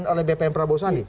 dikasihkan oleh bpm prabowo sali